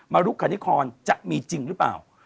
มรุกขณะครจะมีจริงหรือเปล่า